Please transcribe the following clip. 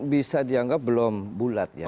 bisa dianggap belum bulat ya